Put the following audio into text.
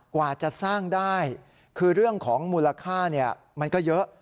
กว่าจะสร้างได้คือเรื่องของมูลค่ามันก็เยอะ